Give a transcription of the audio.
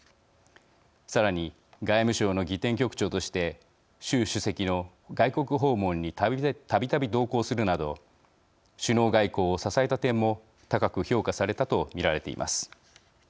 さらに外務省の儀典局長として習主席の外国訪問にたびたび同行するなど首脳外交を支えた点も高く評価されたと見られています。